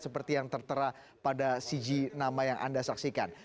seperti yang tertera pada cg nama yang anda saksikan